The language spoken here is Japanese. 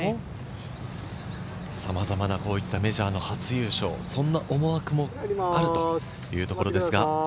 さまざまなメジャーの初優勝、そんな思惑もあるというところです。